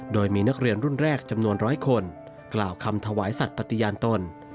โดยมีนักเรียนรุ่นแรกจำนวนร้อยคนกล่าวคำถวายสัตว์ปฏิญาณตน